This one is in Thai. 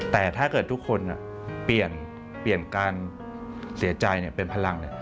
แต่ถ้าเกิดทุกคนเปลี่ยนการเสียใจเป็นพลัง